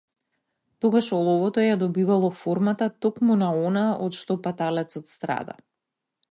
Тогаш оловото ја добивало формата токму на она од што паталецот страда.